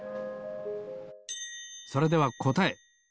それではこたえ。